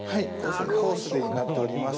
コースになっております。